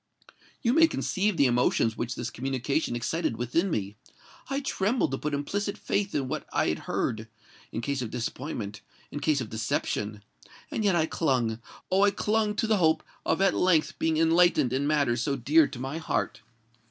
You may conceive the emotions which this communication excited within me: I trembled to put implicit faith in what I heard—in case of disappointment—in case of deception; and yet I clung—oh! I clung to the hope of at length being enlightened in matters so dear to my heart.